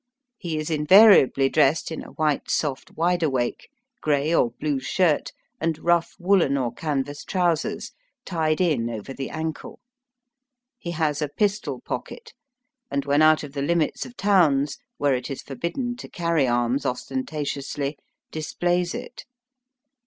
He is invariably dressed in a white soft wideawake, grey or blue shirt, and rough woollen or canvas trousers, tied in over the ankle. He has a pistol pocket, and when out of the limits of towns where it is for bidden to carry arms ostentatiously displays it.